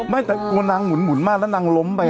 ไม่แต่นางหุ่นมาแล้วนางล้มไป